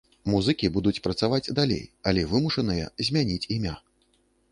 Музыкі будуць працаваць далей, але вымушаныя змяніць імя.